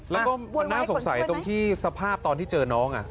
แล้วก็มันน่าสงสัยตรงที่สภาพตอนที่เจอน้อง